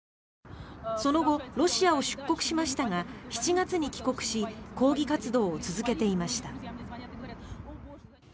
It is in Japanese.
その後、ロシアを出国しましたが７月に帰国し抗議活動を続けていました。